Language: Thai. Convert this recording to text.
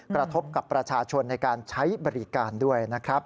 กระทบกับประชาชนในการใช้บริการด้วยนะครับ